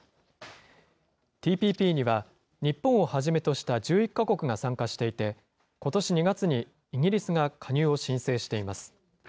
ＴＰＰには、日本をはじめとした１１か国が参加していて、ことし２月にイギリスが加入を申請しています。